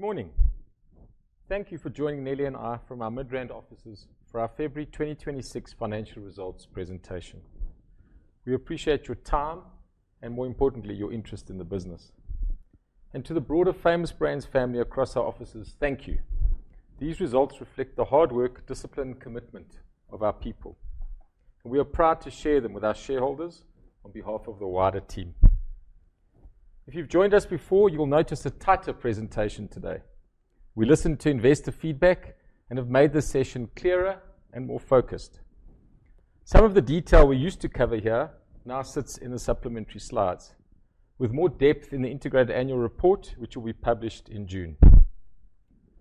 Good morning. Thank you for joining Nelly and I from our Midrand offices for our February 2026 financial results presentation. We appreciate your time and more importantly, your interest in the business. To the broader Famous Brands family across our offices, thank you. These results reflect the hard work, discipline, commitment of our people, and we are proud to share them with our shareholders on behalf of the wider team. If you've joined us before, you will notice a tighter presentation today. We listened to investor feedback and have made this session clearer and more focused. Some of the detail we used to cover here now sits in the supplementary slides with more depth in the integrated annual report, which will be published in June.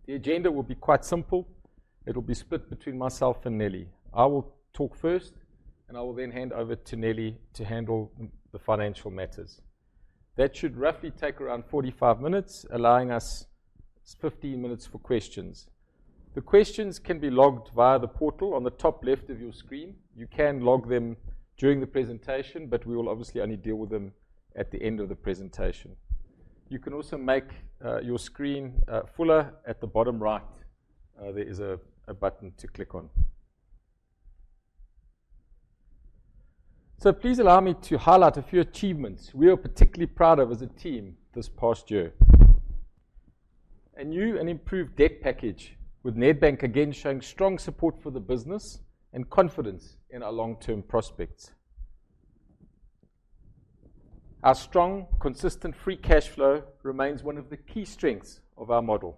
The agenda will be quite simple. It'll be split between myself and Nelly. I will talk first, and I will then hand over to Nelly to handle the financial matters. That should roughly take around 45 minutes, allowing us 15 minutes for questions. The questions can be logged via the portal on the top left of your screen. You can log them during the presentation, but we will obviously only deal with them at the end of the presentation. You can also make your screen fuller at the bottom right. There is a button to click on. Please allow me to highlight a few achievements we are particularly proud of as a team this past year. A new and improved debt package with Nedbank again showing strong support for the business and confidence in our long-term prospects. Our strong, consistent free cash flow remains one of the key strengths of our model.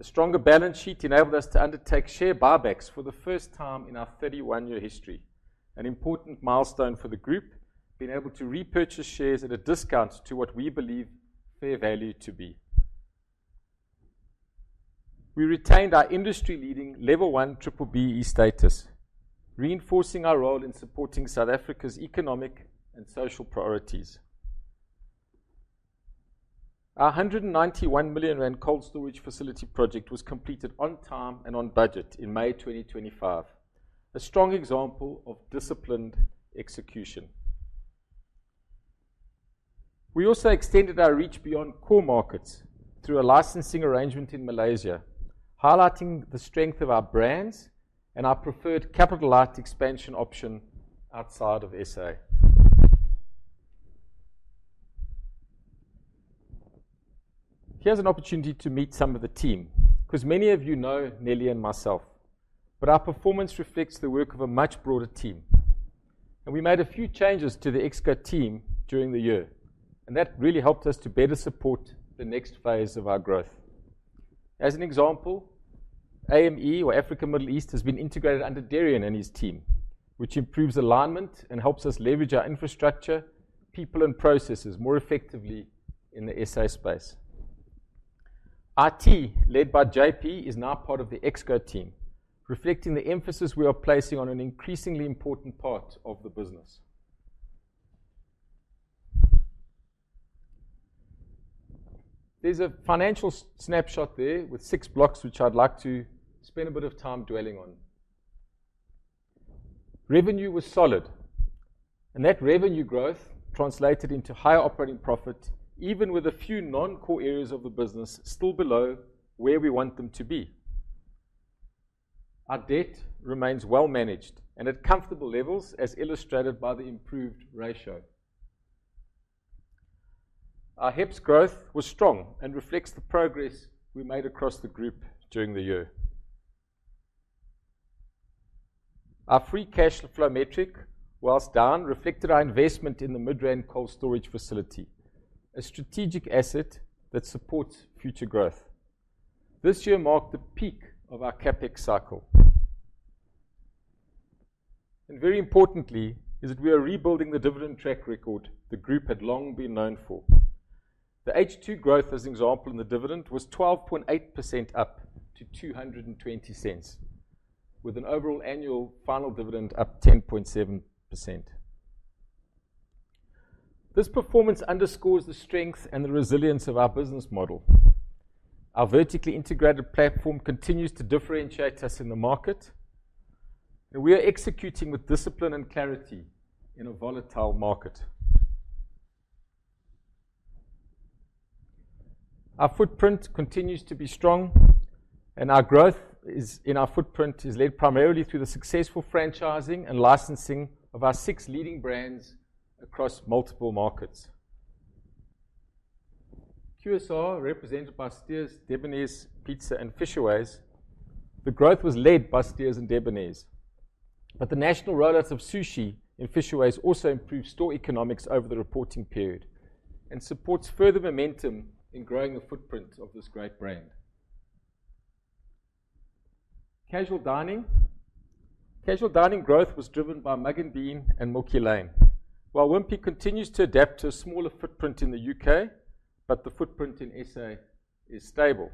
A stronger balance sheet enabled us to undertake share buybacks for the first time in our 31-year history, an important milestone for the Group being able to repurchase shares at a discount to what we believe fair value to be. We retained our industry-leading Level 1 B-BBEE status, reinforcing our role in supporting South Africa's economic and social priorities. Our 191 million rand cold storage facility project was completed on time and on budget in May 2025, a strong example of disciplined execution. We also extended our reach beyond core markets through a licensing arrangement in Malaysia, highlighting the strength of our brands and our preferred capital light expansion option outside of S.A. Here's an opportunity to meet some of the team, because many of you know Nelly and myself, but our performance reflects the work of a much broader team. We made a few changes to the Exco team during the year, and that really helped us to better support the next phase of our growth. As an example, AME or Africa Middle East has been integrated under Derrian and his team, which improves alignment and helps us leverage our infrastructure, people and processes more effectively in the S.A. space. IT, led by JP, is now part of the Exco team, reflecting the emphasis we are placing on an increasingly important part of the business. There's a financial snapshot there with six blocks, which I'd like to spend a bit of time dwelling on. Revenue was solid, and that revenue growth translated into higher operating profit, even with a few non-core areas of the business still below where we want them to be. Our debt remains well managed and at comfortable levels as illustrated by the improved ratio. Our HEPS growth was strong and reflects the progress we made across the group during the year. Our free cash flow metric, whilst down, reflected our investment in the Midrand cold storage facility, a strategic asset that supports future growth. This year marked the peak of our CapEx cycle. Very importantly is that we are rebuilding the dividend track record the group had long been known for. The H2 growth, as an example, in the dividend was 12.8% up to 2.20, with an overall annual final dividend up 10.7%. This performance underscores the strength and the resilience of our business model. Our vertically integrated platform continues to differentiate us in the market, and we are executing with discipline and clarity in a volatile market. Our footprint continues to be strong, our growth in our footprint is led primarily through the successful franchising and licensing of our six Leading Brands across multiple markets. QSR represented by Steers, Debonairs Pizza and Fishaways. The growth was led by Steers and Debonairs, the national rollouts of sushi in Fishaways also improved store economics over the reporting period and supports further momentum in growing the footprint of this great brand. Casual dining. Casual dining growth was driven by Mugg & Bean and Milky Lane, while Wimpy continues to adapt to a smaller footprint in the U.K., but the footprint in S.A. is stable.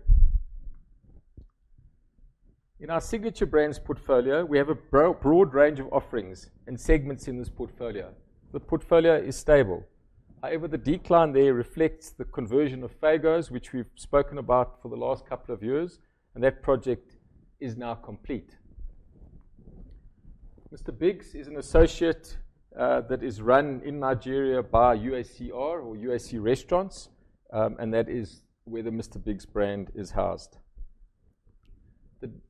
In our Signature Brands portfolio, we have a broad range of offerings and segments in this portfolio. The portfolio is stable. The decline there reflects the conversion of Fego, which we've spoken about for the last couple of years, and that project is now complete. Mr Bigg's is an associate that is run in Nigeria by UACR or UAC Restaurants, and that is where the Mr Bigg's brand is housed.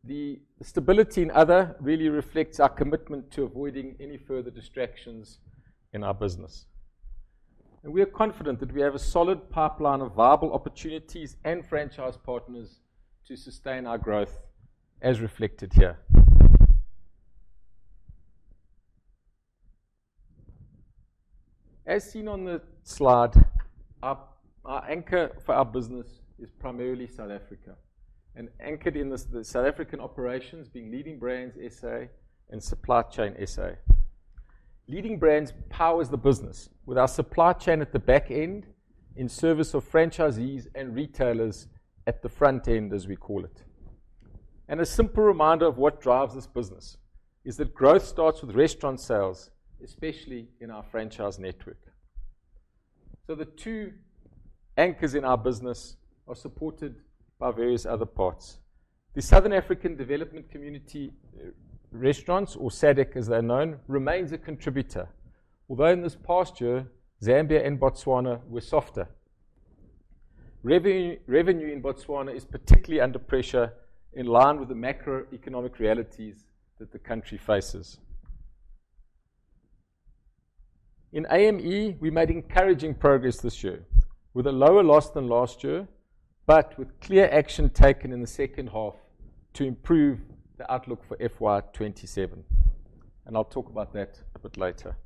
The stability in other really reflects our commitment to avoiding any further distractions in our business. We are confident that we have a solid pipeline of viable opportunities and franchise partners to sustain our growth as reflected here. As seen on the slide, our anchor for our business is primarily South Africa, and anchored in this, the South African operations being Leading Brands SA and Supply Chain SA. Leading Brands powers the business with our supply chain at the back end in service of franchisees and retailers at the front end, as we call it. A simple reminder of what drives this business is that growth starts with restaurant sales, especially in our franchise network. The two anchors in our business are supported by various other parts. The Southern African Development Community restaurants, or SADC as they're known, remains a contributor. Although in this past year, Zambia and Botswana were softer. Revenue in Botswana is particularly under pressure in line with the macroeconomic realities that the country faces. In AME, we made encouraging progress this year with a lower loss than last year, but with clear action taken in the second half to improve the outlook for FY 2027. I'll talk about that a bit later.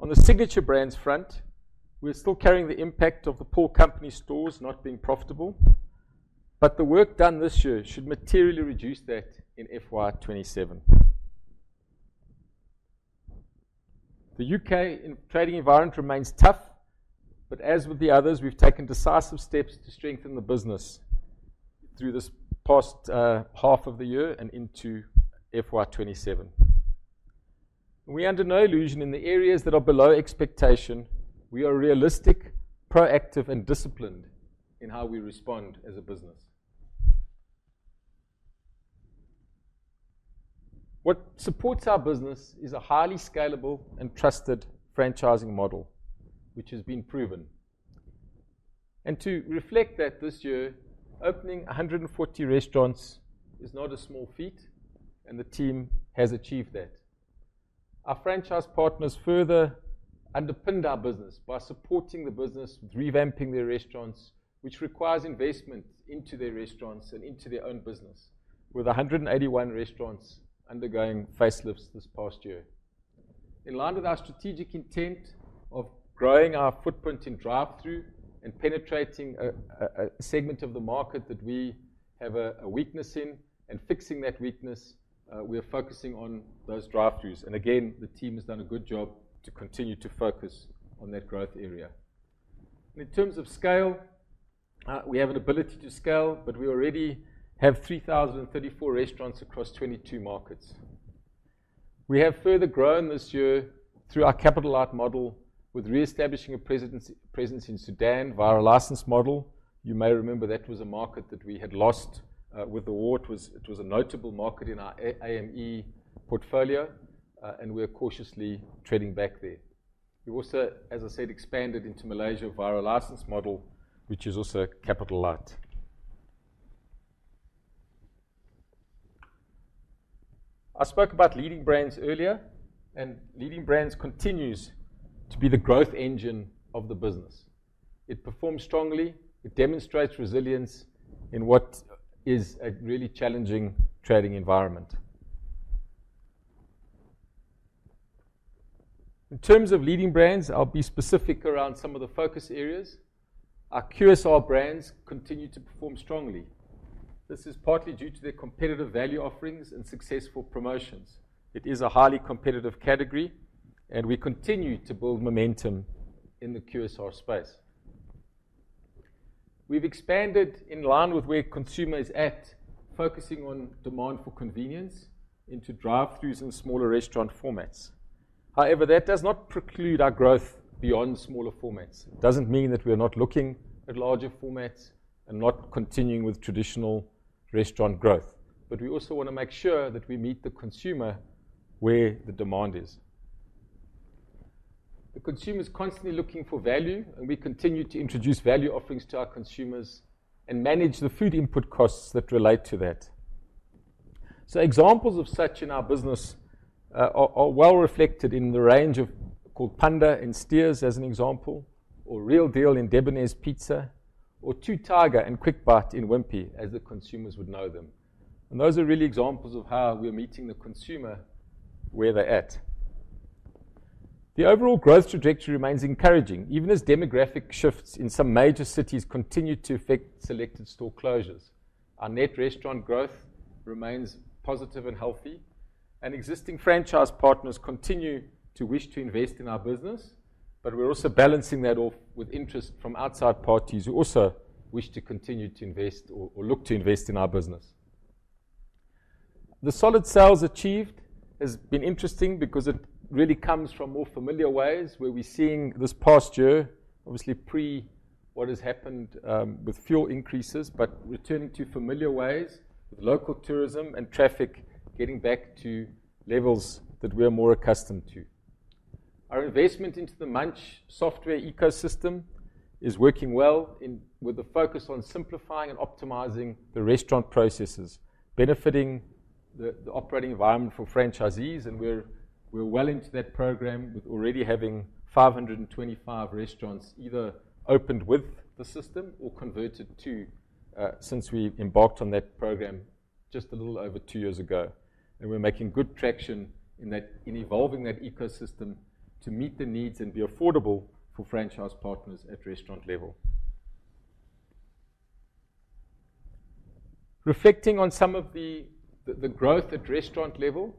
On the Signature Brands front, we're still carrying the impact of the poor company stores not being profitable, but the work done this year should materially reduce that in FY 2027. The U.K. trading environment remains tough, but as with the others, we've taken decisive steps to strengthen the business through this past half of the year and into FY 2027. We're under no illusion in the areas that are below expectation, we are realistic, proactive and disciplined in how we respond as a business. What supports our business is a highly scalable and trusted franchising model, which has been proven. To reflect that this year, opening 140 restaurants is not a small feat, and the team has achieved that. Our franchise partners further underpinned our business by supporting the business with revamping their restaurants, which requires investment into their restaurants and into their own business, with 181 restaurants undergoing facelifts this past year. In line with our strategic intent of growing our footprint in drive-through and penetrating a segment of the market that we have a weakness in and fixing that weakness, we are focusing on those drive-throughs. Again, the team has done a good job to continue to focus on that growth area. In terms of scale, we have an ability to scale, but we already have 3,034 restaurants across 22 markets. We have further grown this year through our capital light model with reestablishing a presence in Sudan via a license model. You may remember that was a market that we had lost with the war. It was a notable market in our AME portfolio, and we are cautiously treading back there. We also, as I said, expanded into Malaysia via a license model, which is also capital light. I spoke about Leading Brands earlier. Leading Brands continues to be the growth engine of the business. It performs strongly, it demonstrates resilience in what is a really challenging trading environment. In terms of Leading Brands, I'll be specific around some of the focus areas. Our QSR brands continue to perform strongly. This is partly due to their competitive value offerings and successful promotions. It is a highly competitive category. We continue to build momentum in the QSR space. We've expanded in line with where consumer is at, focusing on demand for convenience into drive-throughs and smaller restaurant formats. That does not preclude our growth beyond smaller formats. It doesn't mean that we're not looking at larger formats and not continuing with traditional restaurant growth. We also want to make sure that we meet the consumer where the demand is. The consumer is constantly looking for value, and we continue to introduce value offerings to our consumers and manage the food input costs that relate to that. Examples of such in our business are well reflected in the range of called Phanda and Steers as an example, or Real Deal and Debonairs Pizza, or Two Tiger and Quick Bite in Wimpy, as the consumers would know them. Those are really examples of how we are meeting the consumer where they're at. The overall growth trajectory remains encouraging, even as demographic shifts in some major cities continue to affect selected store closures. Our net restaurant growth remains positive and healthy, and existing franchise partners continue to wish to invest in our business. We're also balancing that off with interest from outside parties who also wish to continue to invest or look to invest in our business. The solid sales achieved has been interesting because it really comes from more familiar ways where we're seeing this past year, obviously pre what has happened, with fuel increases, but returning to familiar ways with local tourism and traffic getting back to levels that we're more accustomed to. Our investment into the Munch software ecosystem is working well with the focus on simplifying and optimizing the restaurant processes, benefiting the operating environment for franchisees. We're well into that program with already having 525 restaurants either opened with the system or converted to, since we embarked on that program just a little over two years ago. We're making good traction in that, in evolving that ecosystem to meet the needs and be affordable for franchise partners at restaurant level. Reflecting on some of the growth at restaurant level.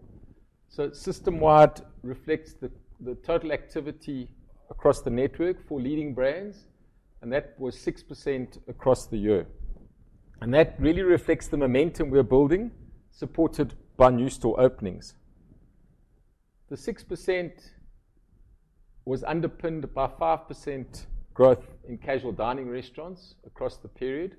System-wide reflects the total activity across the network for Leading Brands, and that was 6% across the year. That really reflects the momentum we are building, supported by new store openings. The 6% was underpinned by 5% growth in casual dining restaurants across the period.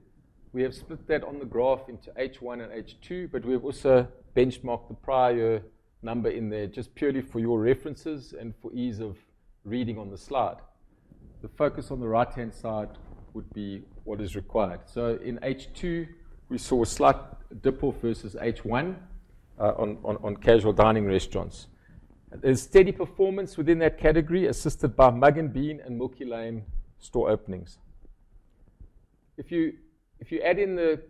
We have split that on the graph into H1 and H2, but we have also benchmarked the prior number in there just purely for your references and for ease of reading on the slide. The focus on the right-hand side would be what is required. In H2, we saw a slight dip off versus H1 on casual dining restaurants. There's steady performance within that category, assisted by Mugg & Bean and Milky Lane store openings. If you add in the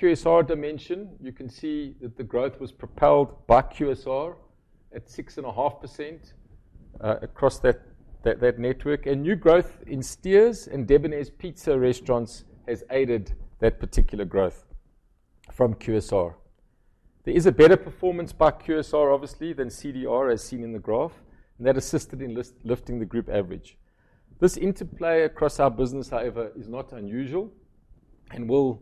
QSR dimension, you can see that the growth was propelled by QSR at 6.5% across that network. New growth in Steers and Debonairs Pizza restaurants has aided that particular growth from QSR. There is a better performance by QSR, obviously, than CDR, as seen in the graph, that assisted in lifting the group average. This interplay across our business, however, is not unusual and will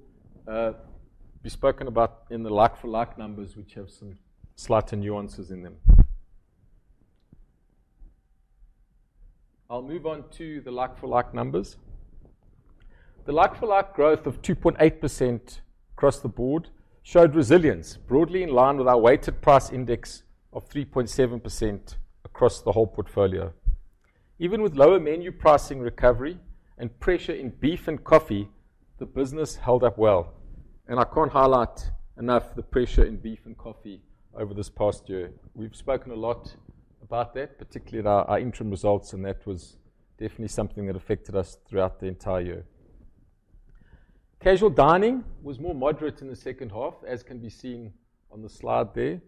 be spoken about in the like-for-like numbers, which have some slight nuances in them. I'll move on to the like-for-like numbers. The like-for-like growth of 2.8% across the board showed resilience broadly in line with our weighted price index of 3.7% across the whole portfolio. Even with lower menu pricing recovery and pressure in beef and coffee, the business held up well. I can't highlight enough the pressure in beef and coffee over this past year. We've spoken a lot about that, particularly at our interim results, that was definitely something that affected us throughout the entire year. Casual dining was more moderate in the second half, as can be seen on the slide there.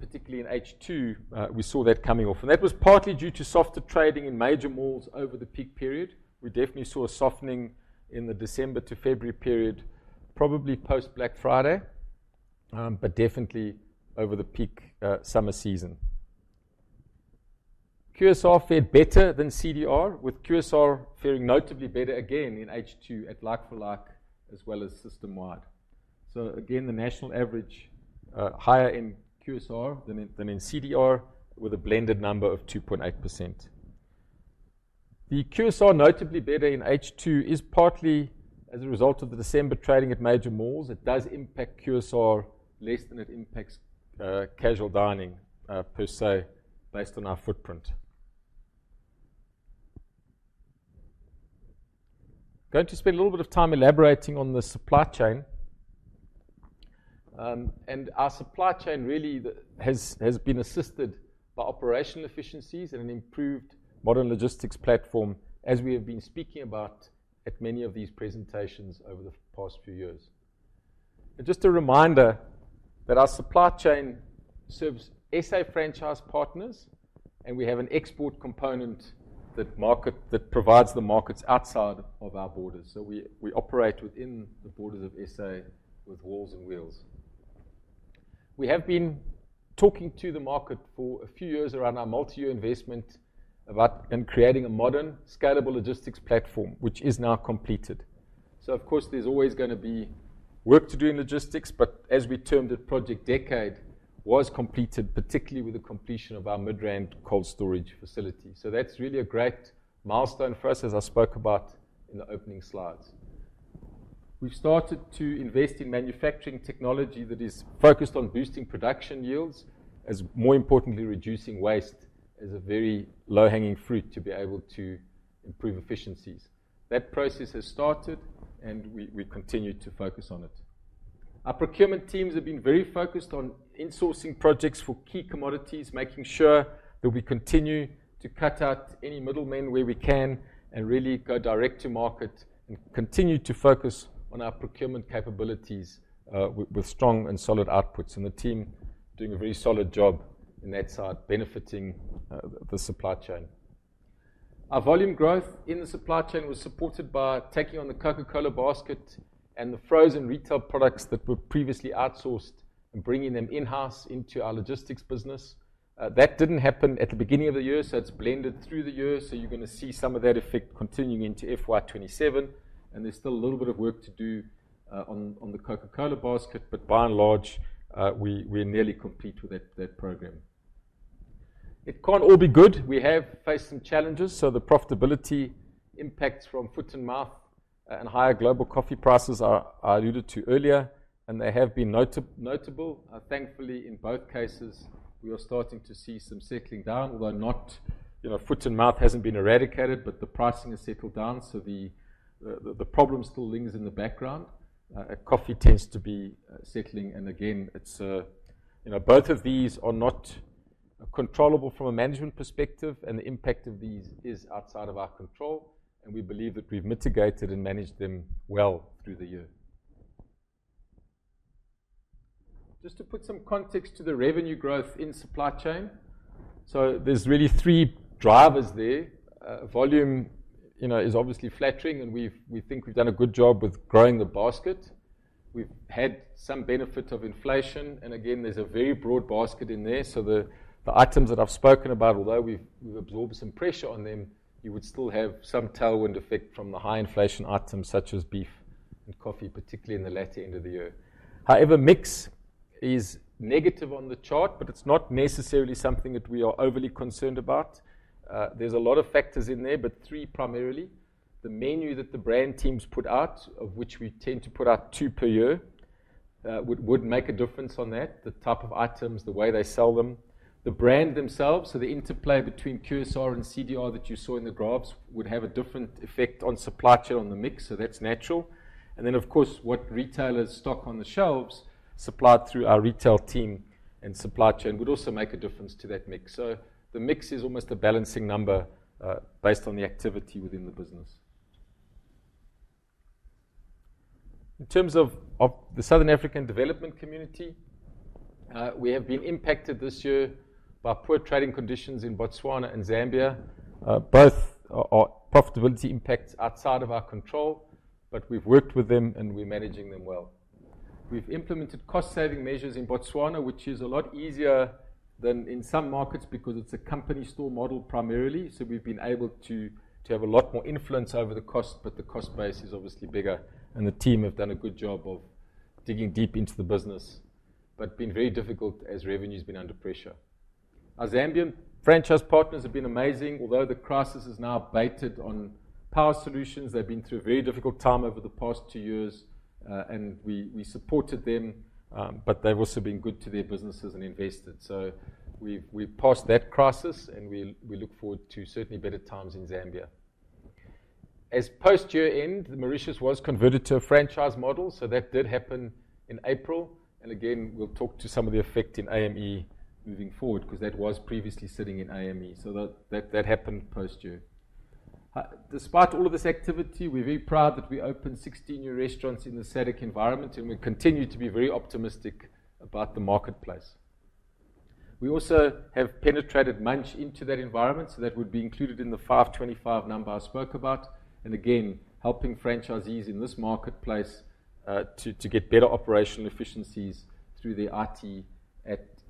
Particularly in H2, we saw that coming off. That was partly due to softer trading in major malls over the peak period. We definitely saw a softening in the December to February period, probably post-Black Friday, definitely over the peak summer season. QSR fared better than CDR, with QSR faring notably better again in H2 at like-for-like as well as system-wide. Again, the national average, higher in QSR than in CDR with a blended number of 2.8%. The QSR notably better in H2 is partly as a result of the December trading at major malls. It does impact QSR less than it impacts casual dining per se, based on our footprint. Going to spend a little bit of time elaborating on the supply chain. Our supply chain really has been assisted by operational efficiencies and an improved modern logistics platform, as we have been speaking about at many of these presentations over the past few years. Just a reminder that our supply chain serves S.A. franchise partners, and we have an export component that provides the markets outside of our borders. We operate within the borders of S.A. with walls and wheels. We have been talking to the market for a few years around our multi-year investment in creating a modern, scalable logistics platform, which is now completed. Of course, there's always going to be work to do in logistics, but as we termed it, Project Decade was completed, particularly with the completion of our Midrand cold storage facility. That's really a great milestone for us, as I spoke about in the opening slides. We've started to invest in manufacturing technology that is focused on boosting production yields, as more importantly, reducing waste as a very low-hanging fruit to be able to improve efficiencies. That process has started, we continue to focus on it. Our procurement teams have been very focused on insourcing projects for key commodities, making sure that we continue to cut out any middlemen where we can and really go direct to market and continue to focus on our procurement capabilities, with strong and solid outputs. The team doing a very solid job in that side, benefiting the supply chain. Our volume growth in the supply chain was supported by taking on the Coca-Cola basket and the frozen retail products that were previously outsourced and bringing them in-house into our logistics business. That didn't happen at the beginning of the year, so it's blended through the year, so you're gonna see some of that effect continuing into FY 2027. There's still a little bit of work to do on the Coca-Cola basket. By and large, we nearly complete with that program. It can't all be good. We have faced some challenges. The profitability impacts from Foot and Mouth, and higher global coffee prices are, I alluded to earlier, and they have been notable. Thankfully in both cases, we are starting to see some settling down, although not You know, Foot and Mouth hasn't been eradicated, but the pricing has settled down. The problem still linger in the background. Coffee tends to be settling. Again, it's You know, both of these are not controllable from a management perspective, and the impact of these is outside of our control, and we believe that we've mitigated and managed them well through the year. Just to put some context to the revenue growth in Supply Chain. There's really three drivers there. Volume, you know, is obviously flattering, and we think we've done a good job with growing the basket. We've had some benefit of inflation. Again, there's a very broad basket in there. The items that I've spoken about, although we've absorbed some pressure on them, you would still have some tailwind effect from the high inflation items such as beef and coffee, particularly in the latter end of the year. Mix is negative on the chart, but it's not necessarily something that we are overly concerned about. There's a lot of factors in there, but three primarily. The menu that the brand teams put out, of which we tend to put out two per year, would make a difference on that, the type of items, the way they sell them. The brand themselves. The interplay between QSR and CDR that you saw in the graphs would have a different effect on supply chain on the mix, so that is natural. Of course, what retailers stock on the shelves supplied through our retail team and supply chain would also make a difference to that mix. The mix is almost a balancing number, based on the activity within the business. In terms of the Southern African Development Community, we have been impacted this year by poor trading conditions in Botswana and Zambia. Both are profitability impacts outside of our control, but we've worked with them and we're managing them well. We've implemented cost-saving measures in Botswana, which is a lot easier than in some markets because it's a company store model primarily. We've been able to have a lot more influence over the cost, but the cost base is obviously bigger, and the team have done a good job of digging deep into the business, but been very difficult as revenue's been under pressure. Our Zambian franchise partners have been amazing. Although the crisis has now abated on power solutions, they've been through a very difficult time over the past two years, and we supported them, but they've also been good to their businesses and invested. We've passed that crisis, and we look forward to certainly better times in Zambia. As post-year end, Mauritius was converted to a franchise model, so that did happen in April. Again, we'll talk to some of the effect in AME moving forward because that was previously sitting in AME. Despite all of this activity, we're very proud that we opened 16 new restaurants in the SADC environment. We continue to be very optimistic about the marketplace. We also have penetrated Munch into that environment, so that would be included in the 525 number I spoke about. Again, helping franchisees in this marketplace to get better operational efficiencies through the IT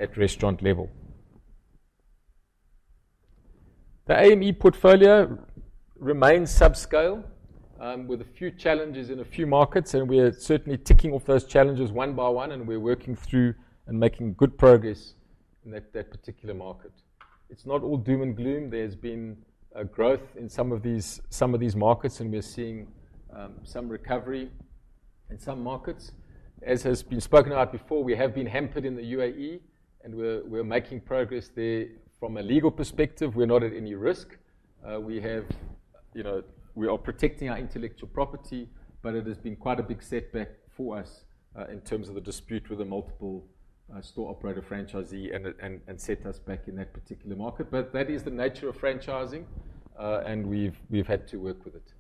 at restaurant level. The AME portfolio remains subscale with a few challenges in a few markets. We are certainly ticking off those challenges one by one. We're working through and making good progress in that particular market. It's not all doom and gloom. There's been a growth in some of these markets. We're seeing some recovery in some markets. As has been spoken about before, we have been hampered in the UAE, and we're making progress there. From a legal perspective, we're not at any risk. We have, you know, we are protecting our intellectual property, but it has been quite a big setback for us in terms of the dispute with a multiple store operator franchisee and set us back in that particular market. That is the nature of franchising, and we've had to work with it.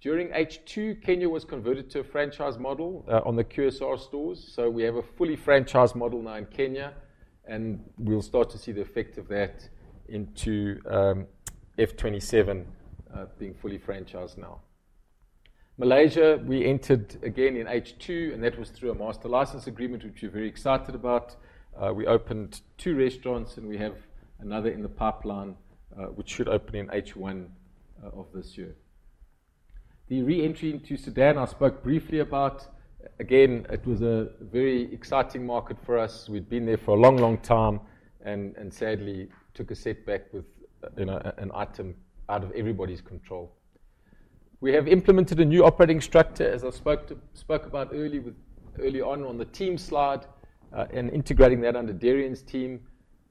During H2, Kenya was converted to a franchise model on the QSR stores. We have a fully franchised model now in Kenya, and we'll start to see the effect of that into FY27, being fully franchised now. Malaysia, we entered again in H2, and that was through a master license agreement, which we're very excited about. We opened two restaurants, and we have another in the pipeline, which should open in H1 of this year. The re-entry into Sudan, I spoke briefly about. It was a very exciting market for us. We'd been there for a long, long time and sadly took a setback with, you know, an item out of everybody's control. We have implemented a new operating structure, as I spoke about on the team slide, and integrating that under Derrian's team.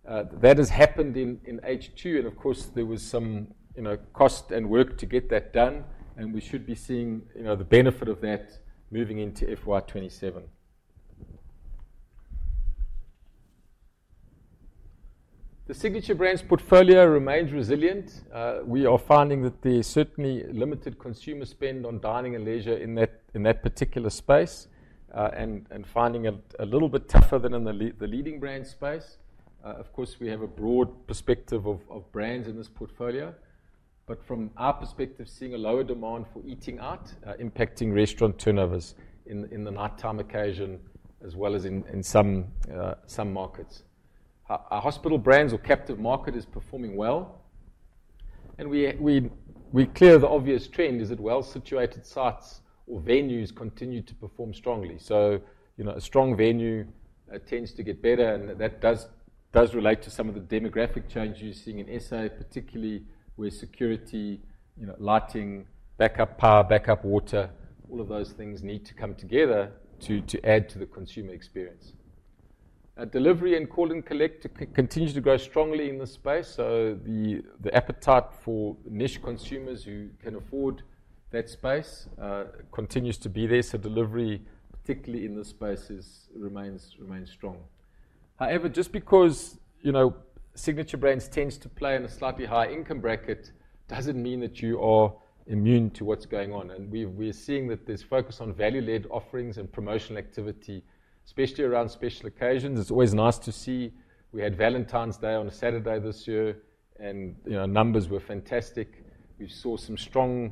That has happened in H2, and of course, there was some, you know, cost and work to get that done, and we should be seeing, you know, the benefit of that moving into FY 2027. The Signature Brands portfolio remains resilient. We are finding that there is certainly limited consumer spend on dining and leisure in that, in that particular space, and finding it a little bit tougher than in the Leading Brands space. Of course, we have a broad perspective of brands in this portfolio. From our perspective, seeing a lower demand for eating out, impacting restaurant turnovers in the nighttime occasion as well as in some markets. Our hospital brands or captive market is performing well. We clear the obvious trend is that well-situated sites or venues continue to perform strongly. You know, a strong venue tends to get better, and that does relate to some of the demographic changes you're seeing in S.A., particularly where security, you know, lighting, backup power, backup water, all of those things need to come together to add to the consumer experience. Delivery and call and collect continues to grow strongly in this space. The appetite for niche consumers who can afford that space continues to be there. Delivery, particularly in this space, remains strong. However, just because, you know, Signature Brands tends to play in a slightly higher income bracket doesn't mean that you are immune to what's going on. We are seeing that there's focus on value-led offerings and promotional activity, especially around special occasions. It's always nice to see. We had Valentine's Day on a Saturday this year, and, you know, numbers were fantastic. We saw some strong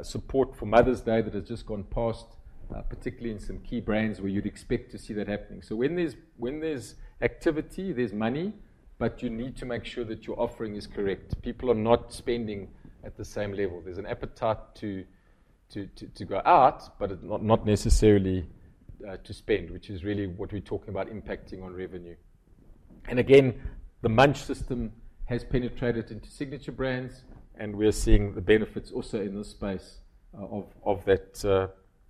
support for Mother's Day that has just gone past, particularly in some key brands where you'd expect to see that happening. When there's activity, there's money, but you need to make sure that your offering is correct. People are not spending at the same level. There's an appetite to go out, but not necessarily to spend, which is really what we're talking about impacting on revenue. Again, the Munch system has penetrated into Signature Brands, and we are seeing the benefits also in this space, of that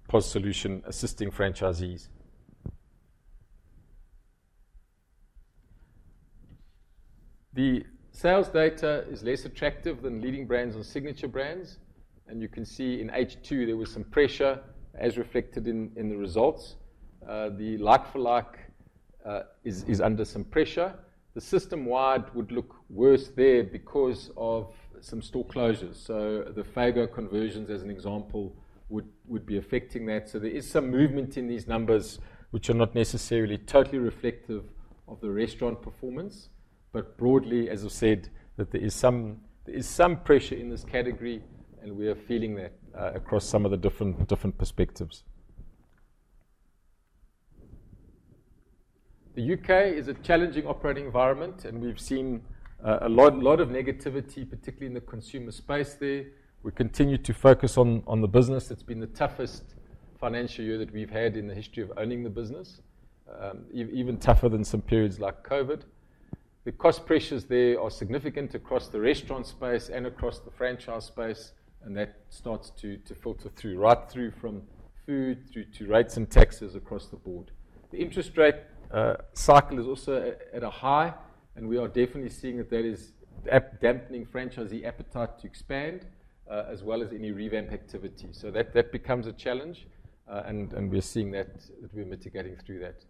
POS solution assisting franchisees. The sales data is less attractive than Leading Brands and Signature Brands. You can see in H2, there was some pressure as reflected in the results. The like-for-like is under some pressure. The system-wide would look worse there because of some store closures. The Fego conversions, as an example, would be affecting that. There is some movement in these numbers which are not necessarily totally reflective of the restaurant performance. Broadly, as I've said, that there is some pressure in this category, and we are feeling that across some of the different perspectives. The U.K. is a challenging operating environment, and we've seen a lot of negativity, particularly in the consumer space there. We continue to focus on the business. It's been the toughest financial year that we've had in the history of owning the business, even tougher than some periods like COVID. The cost pressures there are significant across the restaurant space and across the franchise space, and that starts to filter through, right through from food through to rates and taxes across the board. The interest rate cycle is also at a high, and we are definitely seeing that that is dampening franchisee appetite to expand, as well as any revamp activity. That becomes a challenge, and we're seeing that we're mitigating through that.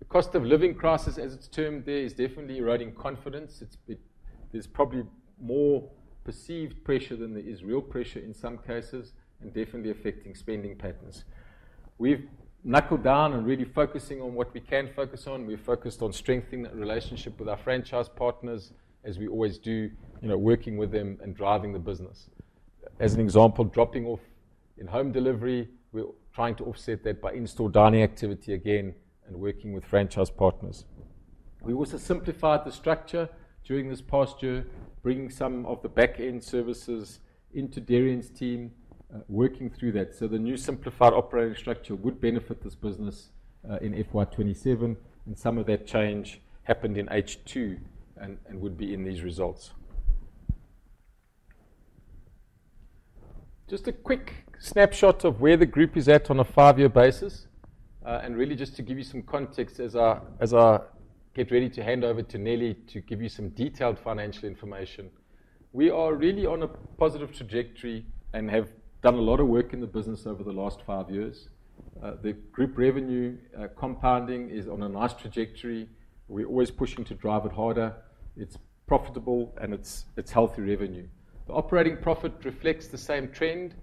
The cost of living crisis, as it's termed there, is definitely eroding confidence. There's probably more perceived pressure than there is real pressure in some cases, and definitely affecting spending patterns. We've knuckled down and really focusing on what we can focus on. We're focused on strengthening that relationship with our franchise partners, as we always do, you know, working with them and driving the business. As an example, dropping off in home delivery, we're trying to offset that by in-store dining activity again and working with franchise partners. We also simplified the structure during this past year, bringing some of the back-end services into Derrian's team, working through that. The new simplified operating structure would benefit this business in FY 2027, and some of that change happened in H2 and would be in these results. Just a quick snapshot of where the group is at on a five-year basis, and really just to give you some context as I get ready to hand over to Nelly to give you some detailed financial information. We are really on a positive trajectory and have done a lot of work in the business over the last five years. The group revenue, compounding is on a nice trajectory. We're always pushing to drive it harder. It's profitable, and it's healthy revenue. The operating profit reflects the same trend.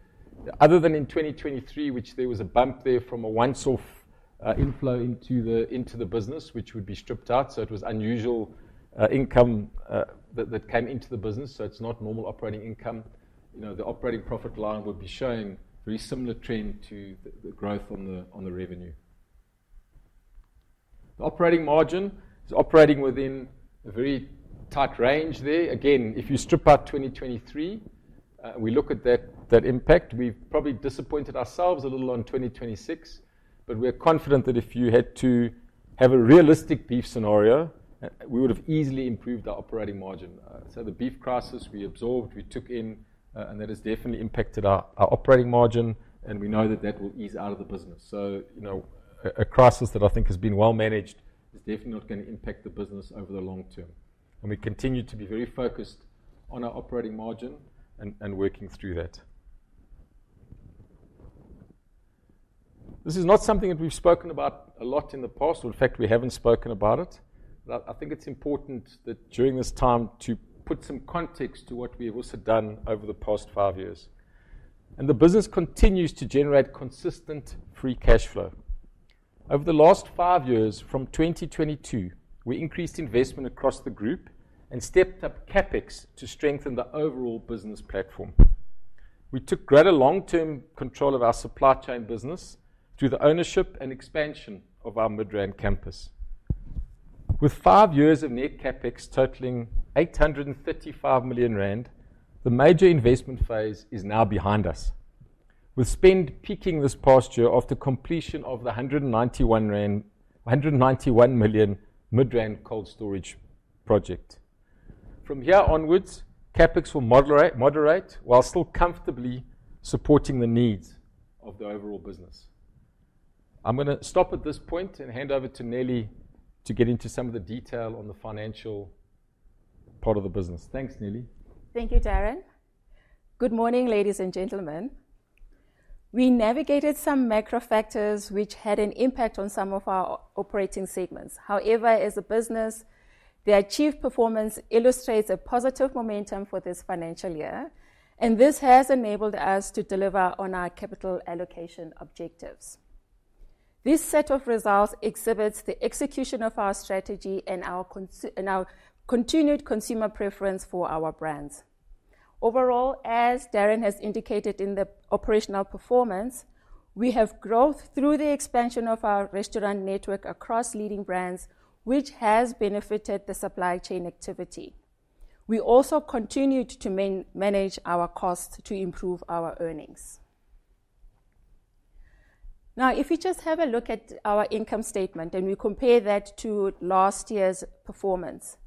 Other than in 2023, which there was a bump there from a once-off inflow into the business, which would be stripped out. It was unusual income that came into the business, so it's not normal operating income. You know, the operating profit line would be showing very similar trend to the growth on the revenue. The operating margin is operating within a very tight range there. Again, if you strip out 2023, and we look at that impact, we've probably disappointed ourselves a little on 2026. We're confident that if you had to have a realistic beef scenario, we would have easily improved our operating margin. The beef crisis we absorbed, we took in, and that has definitely impacted our operating margin, and we know that that will ease out of the business. A crisis that I think has been well managed is definitely not gonna impact the business over the long term. We continue to be very focused on our operating margin and working through that. This is not something that we've spoken about a lot in the past. In fact, we haven't spoken about it. I think it's important that during this time to put some context to what we have also done over the past five years. The business continues to generate consistent free cash flow. Over the last five years, from 2022, we increased investment across the group and stepped up CapEx to strengthen the overall business platform. We took greater long-term control of our supply chain business through the ownership and expansion of our Midrand campus. With five years of net CapEx totaling 855 million rand, the major investment phase is now behind us, with spend peaking this past year after completion of the rand 191 million Midrand cold storage project. From here onwards, CapEx will moderate while still comfortably supporting the needs of the overall business. I'm gonna stop at this point and hand over to Nelly to get into some of the detail on the financial part of the business. Thanks, Nelly. Thank you, Darren. Good morning, ladies and gentlemen. We navigated some macro factors which had an impact on some of our operating segments. However, as a business, the achieved performance illustrates a positive momentum for this financial year, and this has enabled us to deliver on our capital allocation objectives. This set of results exhibits the execution of our strategy and our continued consumer preference for our brands. Overall, as Darren has indicated in the operational performance, we have growth through the expansion of our restaurant network across Leading Brands, which has benefited the supply chain activity. We also continued to manage our costs to improve our earnings. If you just have a look at our income statement and we compare that to last year's performance,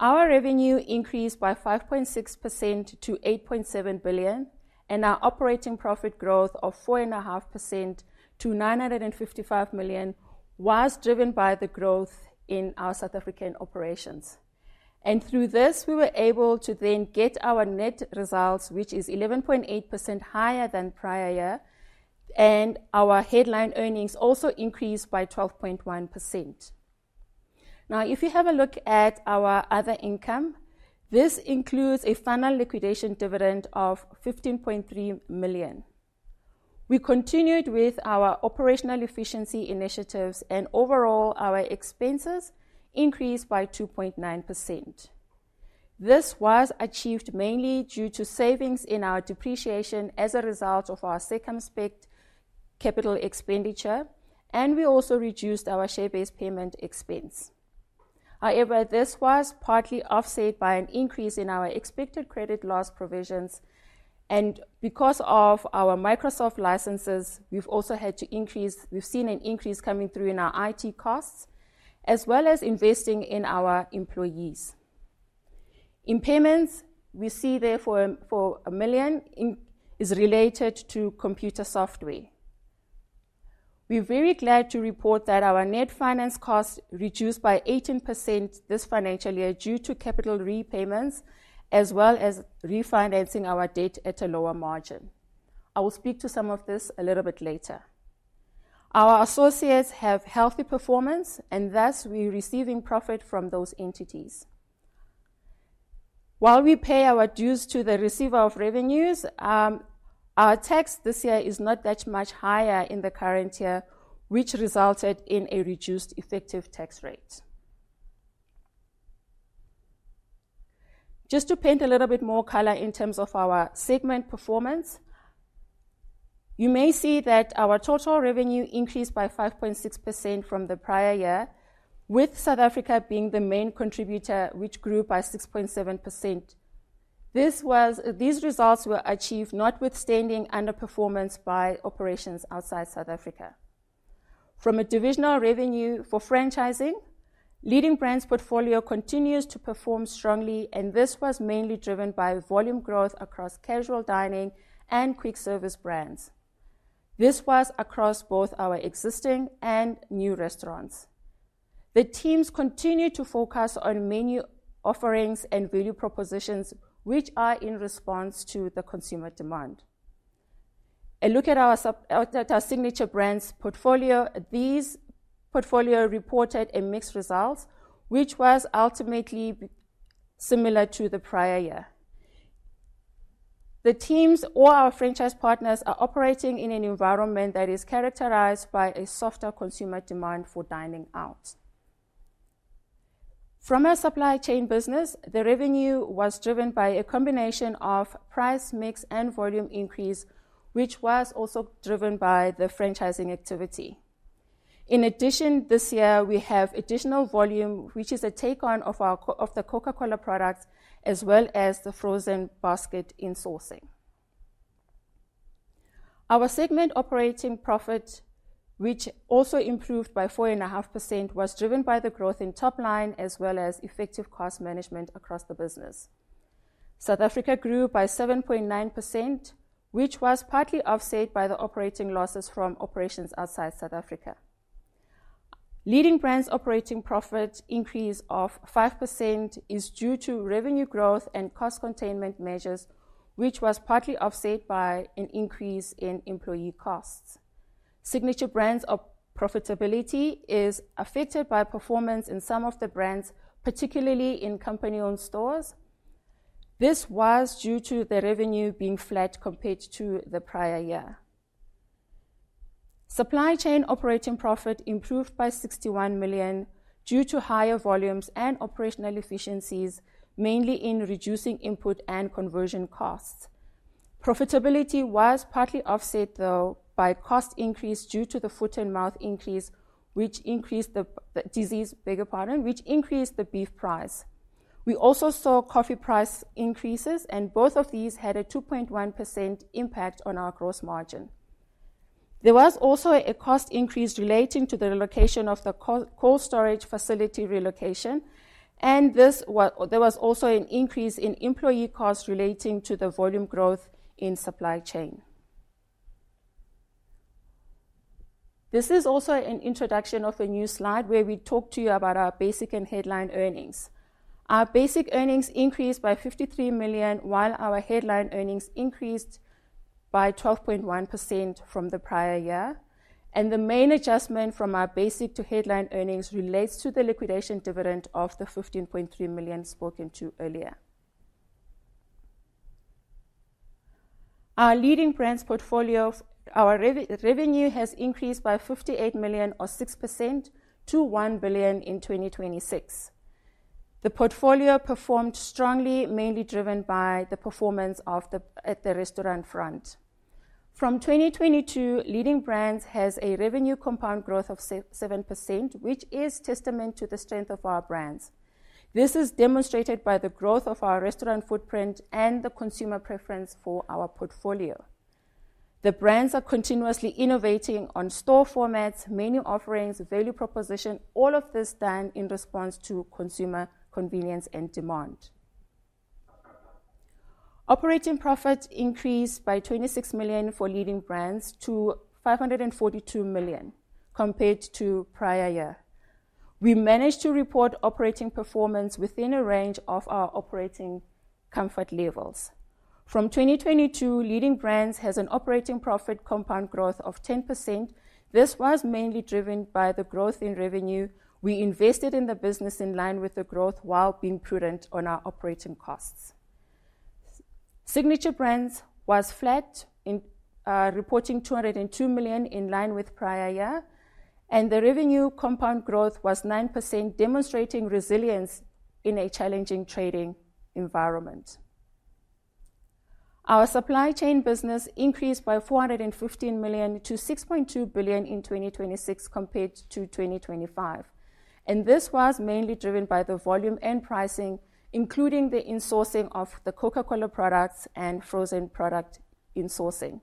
our revenue increased by 5.6% to 8.7 billion, and our operating profit growth of 4.5% to 955 million was driven by the growth in our South African operations. Through this, we were able to then get our net results, which is 11.8% higher than prior year, and our headline earnings also increased by 12.1%. If you have a look at our other income, this includes a final liquidation dividend of 15.3 million. We continued with our operational efficiency initiatives, and overall, our expenses increased by 2.9%. This was achieved mainly due to savings in our depreciation as a result of our circumspect capital expenditure, and we also reduced our share-based payment expense. However, this was partly offset by an increase in our expected credit loss provisions. Because of our Microsoft licenses, we've also had to increase, we've seen an increase coming through in our IT costs, as well as investing in our employees. In payments, we see therefore for 1 million is related to computer software. We're very glad to report that our net finance cost reduced by 18% this financial year due to capital repayments, as well as refinancing our debt at a lower margin. I will speak to some of this a little bit later. Our associates have healthy performance, and thus we're receiving profit from those entities. While we pay our dues to the receiver of revenue, our tax this year is not that much higher in the current year, which resulted in a reduced effective tax rate. Just to paint a little bit more color in terms of our segment performance, you may see that our total revenue increased by 5.6% from the prior year, with South Africa being the main contributor, which grew by 6.7%. These results were achieved notwithstanding underperformance by operations outside South Africa. From a divisional revenue for franchising, Leading Brands portfolio continues to perform strongly, and this was mainly driven by volume growth across casual dining and quick service brands. This was across both our existing and new restaurants. The teams continue to focus on menu offerings and value propositions, which are in response to the consumer demand. A look at our Signature Brands portfolio, these portfolio reported a mixed result, which was ultimately similar to the prior year. The teams or our franchise partners are operating in an environment that is characterized by a softer consumer demand for dining out. From our Supply Chain business, the revenue was driven by a combination of price mix and volume increase, which was also driven by the franchising activity. In addition, this year we have additional volume, which is a take on of the Coca-Cola product, as well as the frozen basket in sourcing. Our segment operating profit, which also improved by 4.5%, was driven by the growth in top line as well as effective cost management across the business. South Africa grew by 7.9%, which was partly offset by the operating losses from operations outside South Africa. Leading Brands' operating profit increase of 5% is due to revenue growth and cost containment measures, which was partly offset by an increase in employee costs. Signature Brands' profitability is affected by performance in some of the brands, particularly in company-owned stores. This was due to the revenue being flat compared to the prior year. Supply Chain operating profit improved by 61 million due to higher volumes and operational efficiencies, mainly in reducing input and conversion costs. Profitability was partly offset, though, by cost increase due to the Foot and Mouth Disease, beg your pardon, which increased the beef price. We also saw coffee price increases. Both of these had a 2.1% impact on our gross margin. There was also a cost increase relating to the relocation of the cold storage facility relocation, and there was also an increase in employee costs relating to the volume growth in Supply Chain. This is also an introduction of a new slide where we talk to you about our basic and headline earnings. Our basic earnings increased by 53 million, while our headline earnings increased by 12.1% from the prior year. The main adjustment from our basic to headline earnings relates to the liquidation dividend of the 15.3 million spoken to earlier. Our Leading Brands portfolio, our revenue has increased by 58 million, or 6%, to 1 billion in 2026. The portfolio performed strongly, mainly driven by the performance at the restaurant front. From 2022, Leading Brands has a revenue compound growth of 7%, which is testament to the strength of our brands. This is demonstrated by the growth of our restaurant footprint and the consumer preference for our portfolio. The brands are continuously innovating on store formats, menu offerings, value proposition, all of this done in response to consumer convenience and demand. Operating profit increased by 26 million for Leading Brands to 542 million compared to prior year. We managed to report operating performance within a range of our operating comfort levels. From 2022, Leading Brands has an operating profit compound growth of 10%. This was mainly driven by the growth in revenue. We invested in the business in line with the growth while being prudent on our operating costs. Signature Brands was flat in reporting 202 million in line with prior year. The revenue compound growth was 9%, demonstrating resilience in a challenging trading environment. Our Supply Chain business increased by 415 million to 6.2 billion in 2026 compared to 2025. This was mainly driven by the volume and pricing, including the insourcing of the Coca-Cola products and frozen product insourcing.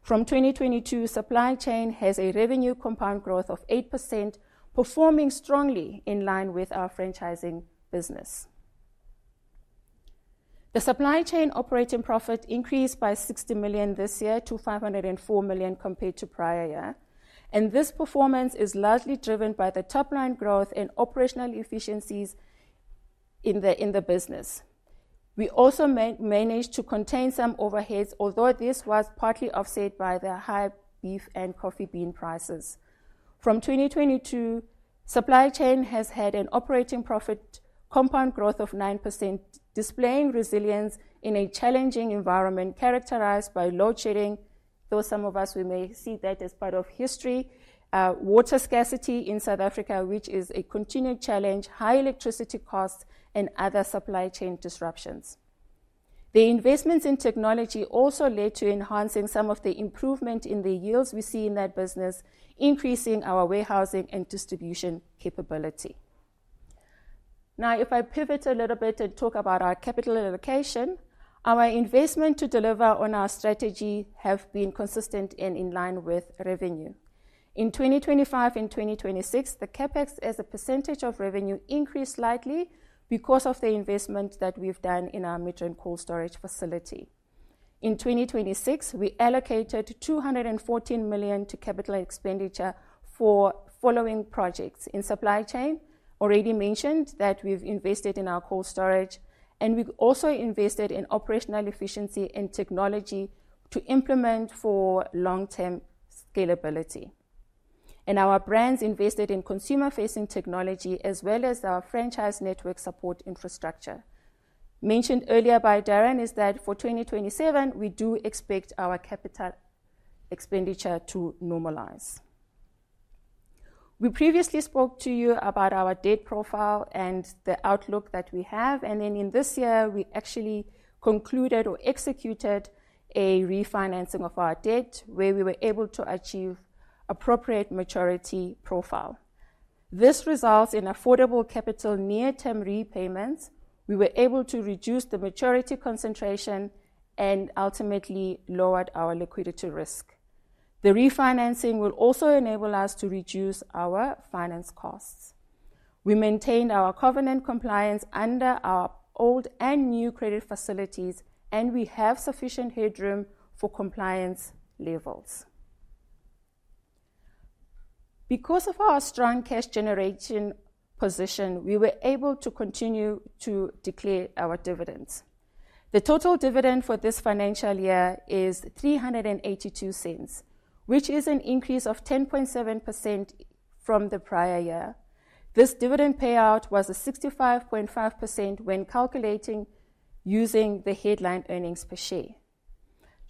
From 2022, Supply Chain has a revenue compound growth of 8%, performing strongly in line with our franchising business. The Supply Chain operating profit increased by 60 million this year to 504 million compared to prior year. This performance is largely driven by the top-line growth and operational efficiencies in the business. We also managed to contain some overheads, although this was partly offset by the high beef and coffee bean prices. From 2022, Supply Chain SA has had an operating profit compound growth of 9%, displaying resilience in a challenging environment characterized by load shedding, though some of us we may see that as part of history, water scarcity in South Africa, which is a continued challenge, high electricity costs, and other supply chain disruptions. The investments in technology also led to enhancing some of the improvement in the yields we see in that business, increasing our warehousing and distribution capability. If I pivot a little bit and talk about our capital allocation, our investment to deliver on our strategy have been consistent and in line with revenue. In 2025 and 2026, the CapEx as a percentage of revenue increased slightly because of the investment that we've done in our Midrand cold storage facility. In 2026, we allocated 214 million to capital expenditure for following projects. In supply chain, already mentioned that we've invested in our cold storage, and we've also invested in operational efficiency and technology to implement for long-term scalability. Our brands invested in consumer-facing technology as well as our franchise network support infrastructure. Mentioned earlier by Darren is that for 2027, we do expect our capital expenditure to normalize. We previously spoke to you about our debt profile and the outlook that we have, and then in this year, we actually concluded or executed a refinancing of our debt, where we were able to achieve appropriate maturity profile. This results in affordable capital near-term repayments. We were able to reduce the maturity concentration and ultimately lowered our liquidity risk. The refinancing will also enable us to reduce our finance costs. We maintained our covenant compliance under our old and new credit facilities, and we have sufficient headroom for compliance levels. Because of our strong cash generation position, we were able to continue to declare our dividends. The total dividend for this financial year is 3.82, which is an increase of 10.7% from the prior year. This dividend payout was a 65.5% when calculating using the headline earnings per share.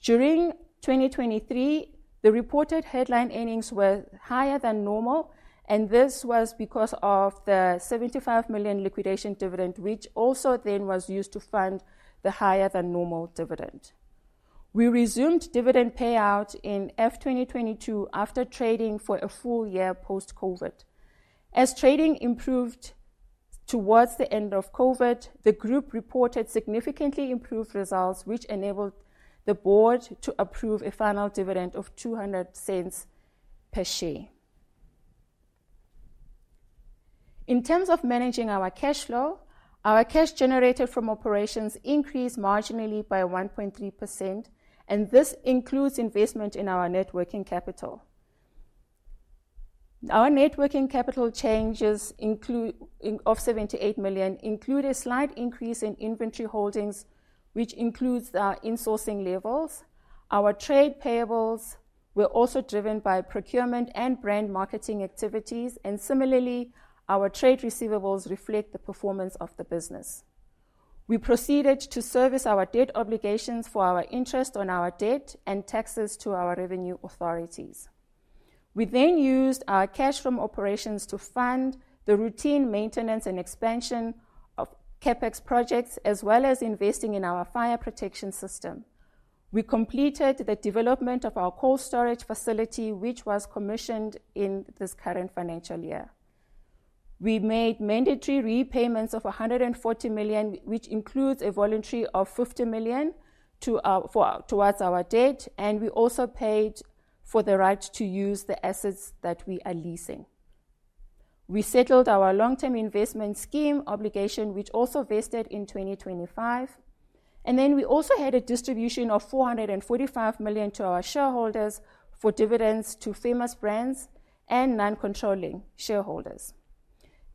During 2023, the reported headline earnings were higher than normal, this was because of the 75 million liquidation dividend, which also then was used to fund the higher than normal dividend. We resumed dividend payout in FY 2022 after trading for a full year post-COVID. As trading improved towards the end of COVID, the group reported significantly improved results, which enabled the board to approve a final dividend of 2.00 per share. In terms of managing our cash flow, our cash generated from operations increased marginally by 1.3%, and this includes investment in our net working capital. Our net working capital changes of 78 million include a slight increase in inventory holdings, which includes our insourcing levels. Our trade payables were also driven by procurement and brand marketing activities, and similarly, our trade receivables reflect the performance of the business. We proceeded to service our debt obligations for our interest on our debt and taxes to our revenue authorities. We then used our cash from operations to fund the routine maintenance and expansion of CapEx projects, as well as investing in our fire protection system. We completed the development of our cold storage facility, which was commissioned in this current financial year. We made mandatory repayments of 140 million, which includes a voluntary of 50 million towards our debt, and we also paid for the right to use the assets that we are leasing. We settled our long-term investment scheme obligation, which also vested in 2025. We also had a distribution of 445 million to our shareholders for dividends to Famous Brands and non-controlling shareholders.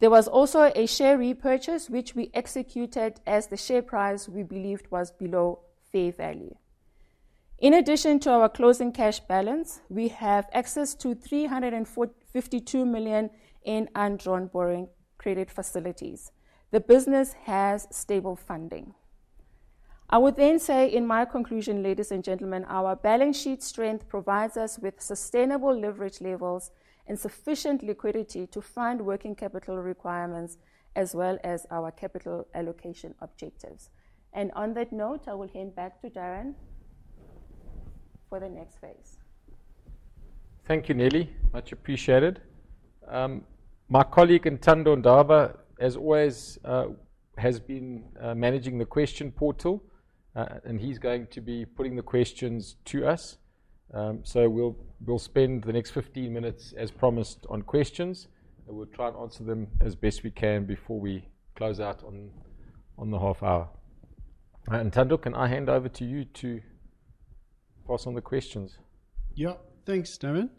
There was also a share repurchase, which we executed as the share price we believed was below fair value. In addition to our closing cash balance, we have access to 352 million in undrawn borrowing credit facilities. The business has stable funding. I would then say in my conclusion, ladies and gentlemen, our balance sheet strength provides us with sustainable leverage levels and sufficient liquidity to fund working capital requirements as well as our capital allocation objectives. On that note, I will hand back to Darren for the next phase. Thank you, Nelly. Much appreciated. My colleague, Ntando Ndaba, as always, has been managing the question portal, and he's going to be putting the questions to us. So we'll spend the next 15 minutes, as promised, on questions, and we'll try and answer them as best we can before we close out on the half hour. Ntando, can I hand over to you to pass on the questions? Yeah. Thanks, Darren.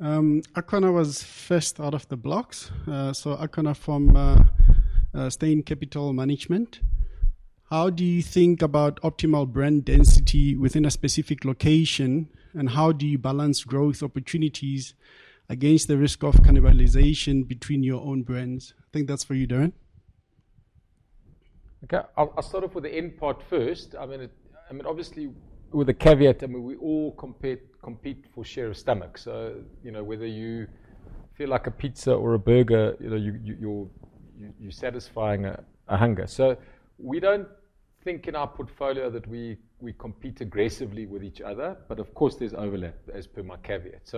Akhona was first out of the blocks. Akhona from Steyn Capital Management. How do you think about optimal brand density within a specific location, and how do you balance growth opportunities against the risk of cannibalization between your own brands? I think that's for you, Darren. Okay. I'll start off with the end part first. I mean, obviously, with a caveat, I mean, we all compete for share of stomach. You know, whether you feel like a pizza or a burger, you know, you're satisfying a hunger. We don't think in our portfolio that we compete aggressively with each other. Of course, there's overlap as per my caveat.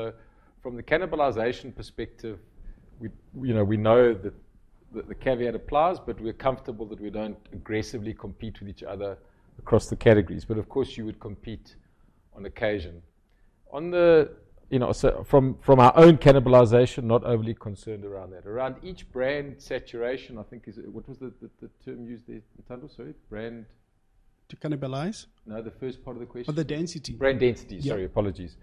From the cannibalization perspective, we, you know, we know that the caveat applies, but we're comfortable that we don't aggressively compete with each other across the categories. Of course, you would compete on occasion. On the, you know, from our own cannibalization, not overly concerned around that. Around each brand saturation, I think, what was the term used there, Ntando, sorry? To cannibalize. No, the first part of the question. Oh, the density. Brand density. Yeah. Sorry, apologies.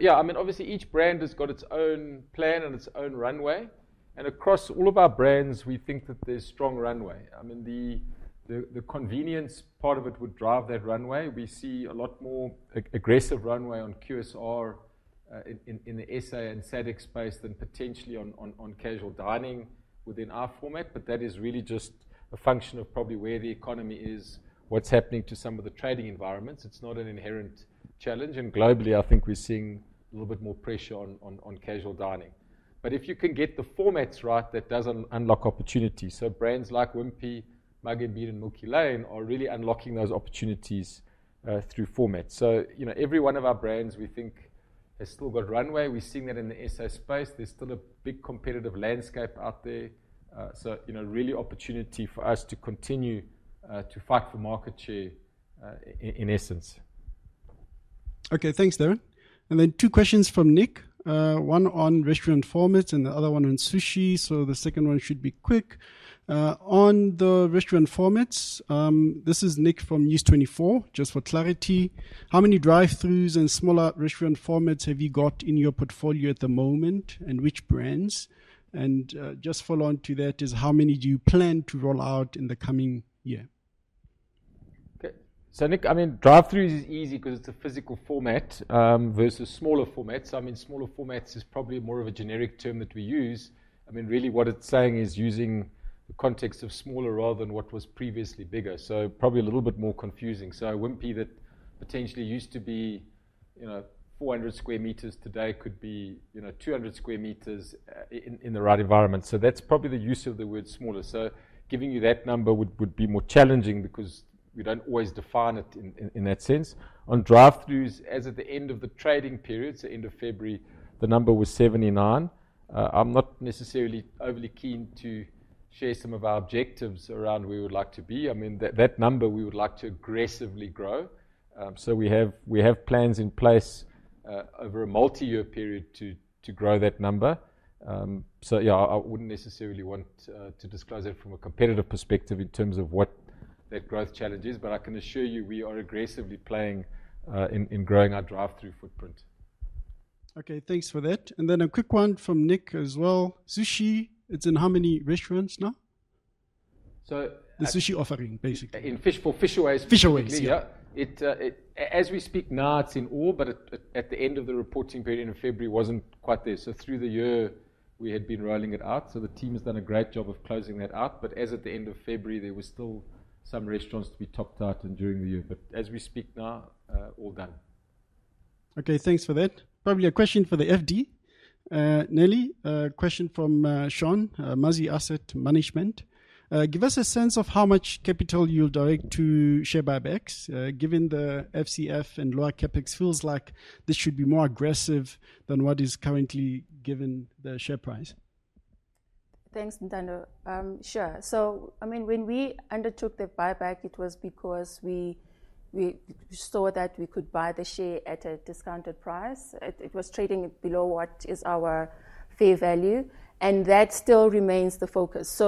Yeah, I mean, obviously, each brand has got its own plan and its own runway, and across all of our brands, we think that there's strong runway. I mean, the convenience part of it would drive that runway. We see a lot more aggressive runway on QSR in the S.A. and SADC space than potentially on casual dining within our format. That is really just a function of probably where the economy is, what's happening to some of the trading environments. It's not an inherent challenge. Globally, I think we're seeing a little bit more pressure on casual dining. If you can get the formats right, that does unlock opportunities. Brands like Wimpy, Mugg & Bean, and Milky Lane are really unlocking those opportunities through format. You know, every one of our brands, we think has still got runway. We're seeing that in the S.A. space. There's still a big competitive landscape out there. You know, really opportunity for us to continue to fight for market share in essence. Okay. Thanks, Darren. Two questions from Nick, one on restaurant formats and the other one on sushi. The second one should be quick. On the restaurant formats, this is Nick from News24. Just for clarity, how many drive-throughs and smaller restaurant formats have you got in your portfolio at the moment, and which brands? Just follow on to that is, how many do you plan to roll out in the coming year? Nick, I mean, drive-throughs is easy because it's a physical format versus smaller formats. I mean, smaller formats is probably more of a generic term that we use. I mean, really what it's saying is using the context of smaller rather than what was previously bigger. Probably a little bit more confusing. It wouldn't be that potentially used to be, you know, 400 square meters today could be, you know, 200 square meters in the right environment. That's probably the use of the word smaller. Giving you that number would be more challenging because we don't always define it in that sense. On drive-throughs, as at the end of the trading period, end of February, the number was 79. I'm not necessarily overly keen to share some of our objectives around where we would like to be. I mean, that number we would like to aggressively grow. We have plans in place over a multi-year period to grow that number. Yeah, I wouldn't necessarily want to disclose that from a competitive perspective in terms of what that growth challenge is. I can assure you we are aggressively playing in growing our drive-through footprint. Okay, thanks for that. A quick one from Nick as well. Sushi, it's in how many restaurants now? So- The sushi offering, basically. In fish, for Fishaways particularly? Fishaways, yeah. As we speak now, it's in all, but at the end of the reporting period, end of February, wasn't quite there. Through the year we had been rolling it out. The team has done a great job of closing that out. As at the end of February, there were still some restaurants to be topped out and during the year. As we speak now, all done. Okay, thanks for that. Probably a question for the FD. Nelly, a question from Shaun, Mazi Asset Management. Give us a sense of how much capital you'll direct to share buybacks? Given the FCF and lower CapEx, feels like this should be more aggressive than what is currently given the share price. Thanks, Ntando. Sure. When we undertook the buyback, it was because we saw that we could buy the share at a discounted price. It was trading below what is our fair value, and that still remains the focus.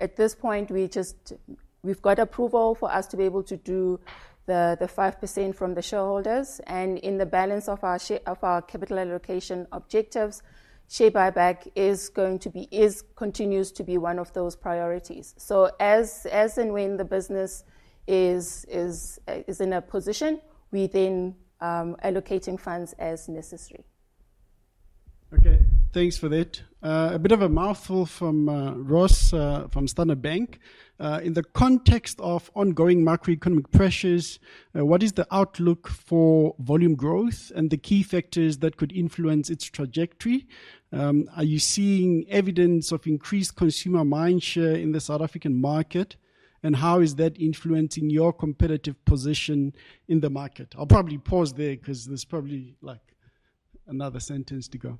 At this point, we've got approval for us to be able to do the 5% from the shareholders. In the balance of our capital allocation objectives, share buyback continues to be one of those priorities. As and when the business is in a position, we allocating funds as necessary. Okay, thanks for that. A bit of a mouthful from Ross, from Standard Bank. In the context of ongoing macroeconomic pressures, what is the outlook for volume growth and the key factors that could influence its trajectory? Are you seeing evidence of increased consumer mindshare in the South African market, and how is that influencing your competitive position in the market? I'll probably pause there because there's probably, like, another sentence to go.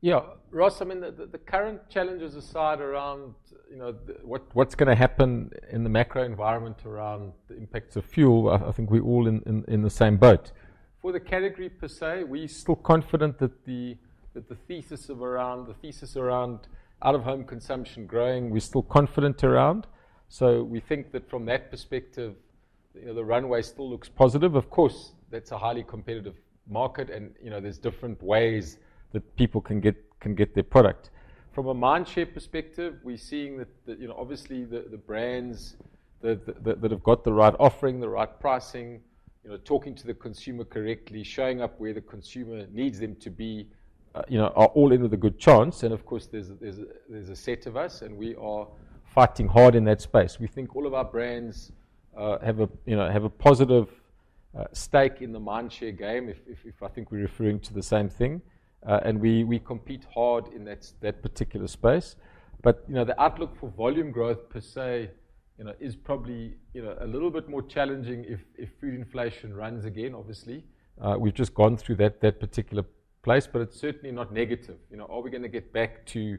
Yeah. Ross, I mean, the current challenges aside around, you know, what's gonna happen in the macro environment around the impacts of fuel, I think we're all in the same boat. For the category per se, we're still confident that the thesis around out-of-home consumption growing, we're still confident around. We think that from that perspective, you know, the runway still looks positive. Of course, that's a highly competitive market and, you know, there's different ways that people can get their product. From a mindshare perspective, we're seeing that the, you know, obviously the brands that have got the right offering, the right pricing, you know, talking to the consumer correctly, showing up where the consumer needs them to be, you know, are all in with a good chance. Of course, there's a set of us, and we are fighting hard in that space. We think all of our brands have a, you know, have a positive stake in the mindshare game if I think we're referring to the same thing. We compete hard in that particular space. You know, the outlook for volume growth per se, you know, is probably, you know, a little bit more challenging if food inflation runs again, obviously. We've just gone through that particular place, but it's certainly not negative. You know, are we gonna get back to, you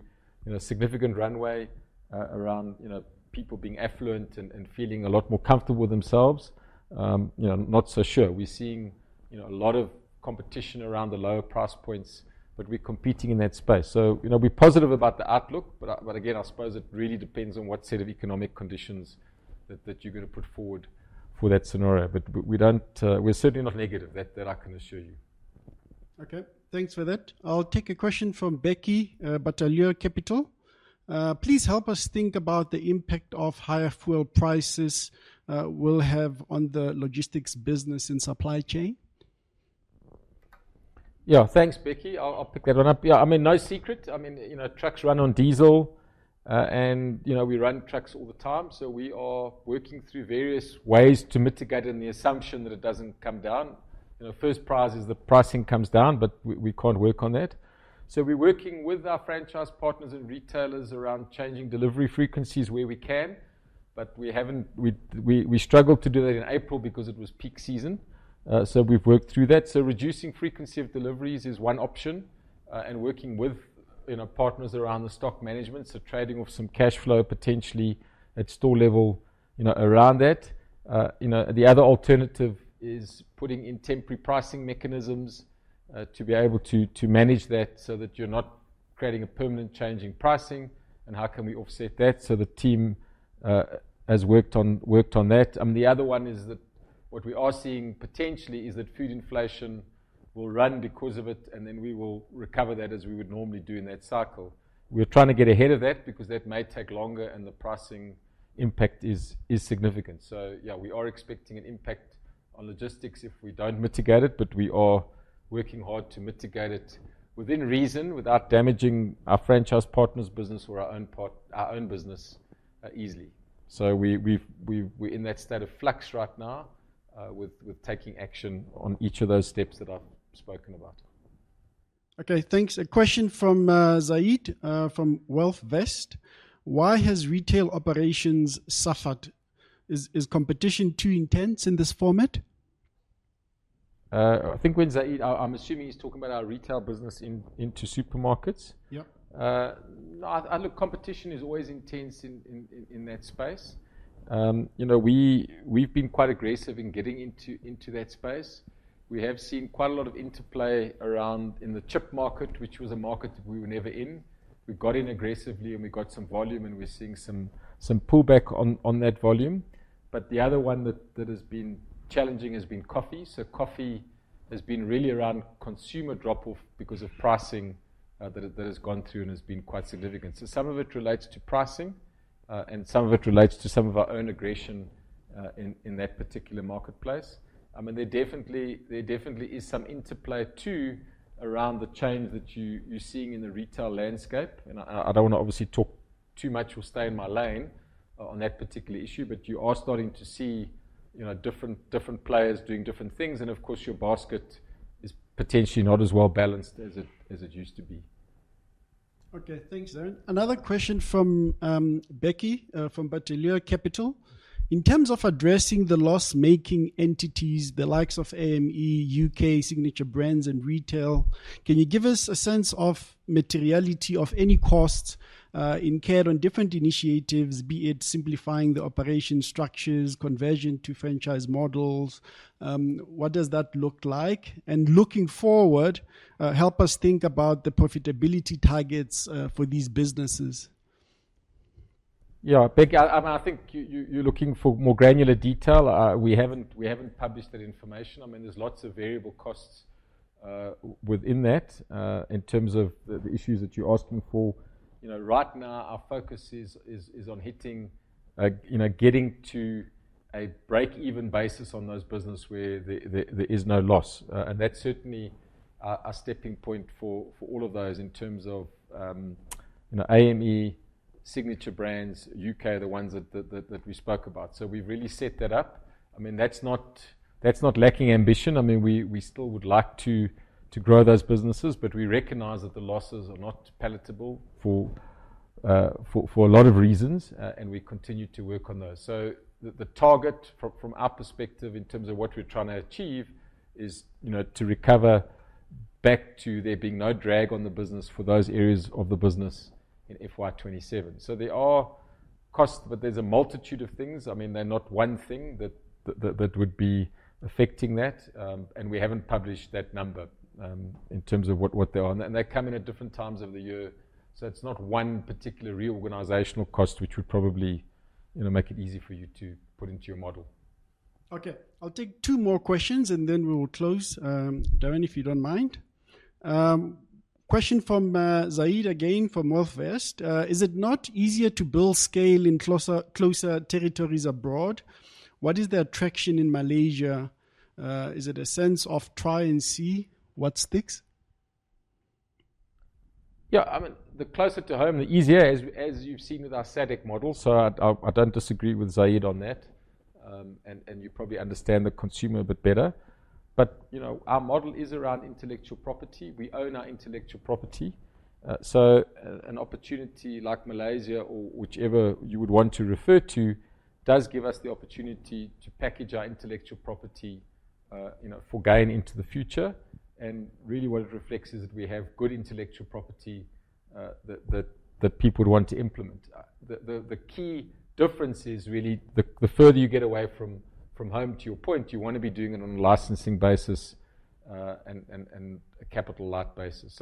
know, significant runway around, you know, people being affluent and feeling a lot more comfortable with themselves? You know, not so sure. We're seeing, you know, a lot of competition around the lower price points, but we're competing in that space. You know, we're positive about the outlook, but again, I suppose it really depends on what set of economic conditions that you're gonna put forward for that scenario. We don't, we're certainly not negative, that I can assure you. Okay, thanks for that. I'll take a question from Becky, Bateleur Capital. Please help us think about the impact of higher fuel prices will have on the logistics business and supply chain. Thanks, Becky. I'll pick that one up. I mean, no secret. I mean, you know, trucks run on diesel, and, you know, we run trucks all the time, so we are working through various ways to mitigate any assumption that it doesn't come down. You know, first prize is the pricing comes down, but we can't work on that. We're working with our franchise partners and retailers around changing delivery frequencies where we can, but we struggled to do that in April because it was peak season. We've worked through that. Reducing frequency of deliveries is one option, and working with, you know, partners around the stock management, so trading of some cash flow potentially at store level, you know, around that. You know, the other alternative is putting in temporary pricing mechanisms to be able to manage that so that you're not creating a permanent change in pricing, and how can we offset that? The team has worked on that. The other one is what we are seeing potentially is that food inflation will run because of it, and then we will recover that as we would normally do in that cycle. We're trying to get ahead of that because that may take longer and the pricing impact is significant. Yeah, we are expecting an impact on logistics if we don't mitigate it, but we are working hard to mitigate it within reason without damaging our franchise partners business or our own business easily. We're in that state of flux right now, with taking action on each of those steps that I've spoken about. Okay, thanks. A question from Zaid from WealthVest. Why has retail operations suffered? Is competition too intense in this format? I think when Zaid I'm assuming he's talking about our retail business into supermarkets. Yeah. No, I Look, competition is always intense in that space. You know, we've been quite aggressive in getting into that space. We have seen quite a lot of interplay around in the chip market, which was a market that we were never in. We got in aggressively and we got some volume and we're seeing some pullback on that volume. The other one that has been challenging has been coffee. Coffee has been really around consumer drop-off because of pricing that has gone through and has been quite significant. Some of it relates to pricing, and some of it relates to some of our own aggression in that particular marketplace. I mean, there definitely is some interplay too around the change that you're seeing in the retail landscape. I don't wanna obviously talk too much or stay in my lane on that particular issue, but you are starting to see, you know, different players doing different things. Of course, your basket is potentially not as well-balanced as it used to be. Okay. Thanks, Darren. Another question from Becky from Bateleur Capital. In terms of addressing the loss-making entities, the likes of AME, U.K., Signature Brands, and Retail, can you give us a sense of materiality of any costs incurred on different initiatives, be it simplifying the operation structures, conversion to franchise models? What does that look like? Looking forward, help us think about the profitability targets for these businesses. Yeah. Becky, I mean, I think you're looking for more granular detail. We haven't published that information. I mean, there's lots of variable costs within that, in terms of the issues that you're asking for. You know, right now our focus is on hitting, you know, getting to a break-even basis on those businesses where there is no loss. That's certainly our stepping point for all of those in terms of, you know, AME, Signature Brands, U.K., the ones that we spoke about. We've really set that up. I mean, that's not, that's not lacking ambition. I mean, we still would like to grow those businesses, but we recognize that the losses are not palatable for a lot of reasons, and we continue to work on those. The target from our perspective in terms of what we're trying to achieve is, you know, to recover back to there being no drag on the business for those areas of the business in FY 2027. There are costs, but there's a multitude of things. I mean, they're not one thing that would be affecting that. We haven't published that number in terms of what they are. They come in at different times of the year, it's not one particular reorganizational cost, which would probably, you know, make it easy for you to put into your model. I'll take two more questions, and then we will close, Darren, if you don't mind. Question from Zaid again from WealthVest. Is it not easier to build scale in closer territories abroad? What is the attraction in Malaysia? Is it a sense of try and see what sticks? Yeah. I mean, the closer to home, the easier as you've seen with our SADC model. I don't disagree with Zaid on that. You probably understand the consumer a bit better. You know, our model is around intellectual property. We own our intellectual property. An opportunity like Malaysia or whichever you would want to refer to does give us the opportunity to package our intellectual property, you know, for gain into the future. Really what it reflects is that we have good intellectual property, that people would want to implement. The key difference is really the further you get away from home to your point, you wanna be doing it on a licensing basis, and a capital light basis.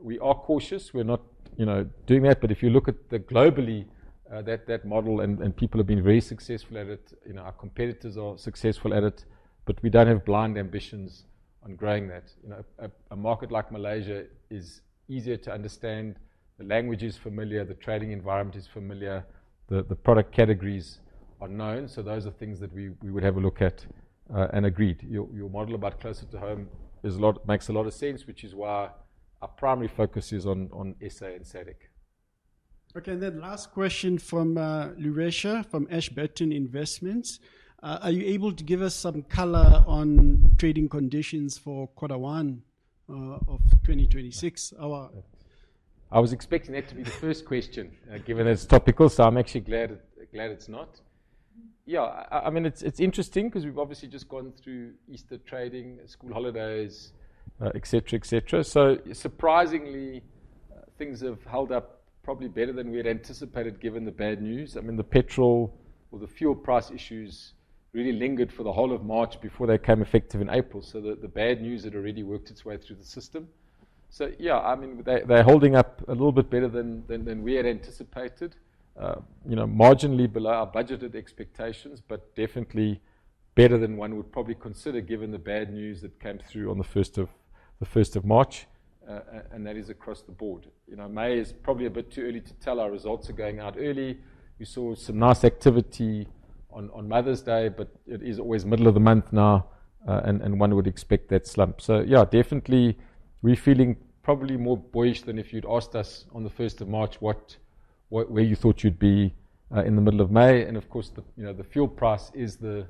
We are cautious. We're not, you know, doing that. If you look at the globally, that model and people have been very successful at it. You know, our competitors are successful at it, but we don't have blind ambitions on growing that. You know, a market like Malaysia is easier to understand. The language is familiar, the trading environment is familiar, the product categories are known. Those are things that we would have a look at and agreed. Your model about closer to home makes a lot of sense, which is why our primary focus is on S.A. and SADC. Okay. Then last question from Luresha from Ashburton Investments. Are you able to give us some color on trading conditions for quarter one of 2026? I was expecting that to be the first question, given that it's topical, I'm actually glad it's not. I mean, it's interesting because we've obviously just gone through Easter trading, school holidays, et cetera, et cetera. Surprisingly, things have held up probably better than we had anticipated given the bad news. I mean, the petrol or the fuel price issues really lingered for the whole of March before they came effective in April. The bad news had already worked its way through the system. I mean, they're holding up a little bit better than we had anticipated. You know, marginally below our budgeted expectations, but definitely better than one would probably consider given the bad news that came through on the 1st of March. And that is across the board. You know, May is probably a bit too early to tell. Our results are going out early. We saw some nice activity on Mother's Day, but it is always middle of the month now, and one would expect that slump. Yeah, definitely we're feeling probably more bullish than if you'd asked us on the 1st of March where you thought you'd be in the middle of May. Of course, the, you know, the fuel price is the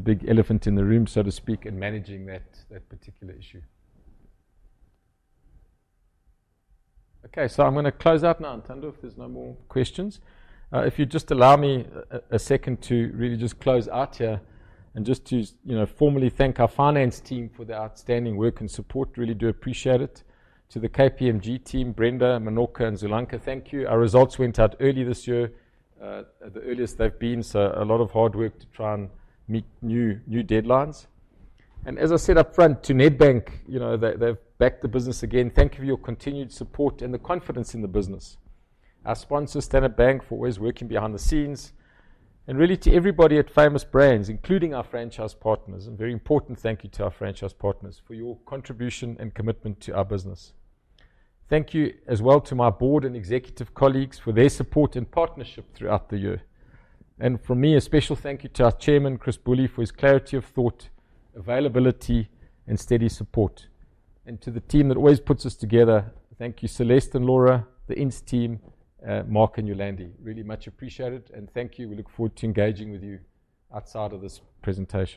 big elephant in the room, so to speak, in managing that particular issue. Okay, I'm going to close out now, Ntando, if there's no more questions. If you'd just allow me a second to really just close out here and just to, you know, formally thank our finance team for their outstanding work and support. Really do appreciate it. To the KPMG team, Brenda, Menorca, and Zulanka, thank you. Our results went out early this year, the earliest they've been, so a lot of hard work to try and meet new deadlines. As I said up front, to Nedbank, you know, they've backed the business again. Thank you for your continued support and the confidence in the business. Our sponsors, Standard Bank, for always working behind the scenes. Really to everybody at Famous Brands, including our franchise partners. A very important thank you to our franchise partners for your contribution and commitment to our business. Thank you as well to my board and executive colleagues for their support and partnership throughout the year. From me, a special thank you to our chairman, Chris Boulle, for his clarity of thought, availability, and steady support. To the team that always puts us together, thank you Celeste and Laura, the Instinctif team, Mark and Yolandi. Really much appreciated, and thank you. We look forward to engaging with you outside of this presentation